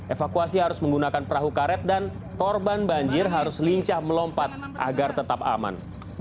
evakuasi harus menggunakan perahu karet dan korban banjir harus lincah melompat agar tetap aman